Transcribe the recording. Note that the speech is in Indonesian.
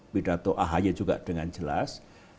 pidato ahi juga dengan jelas